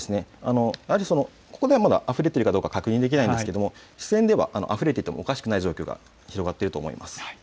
ここではあふれているか確認できないんですが、支川ではあふれていてもおかしくない状況が広がっていると思います。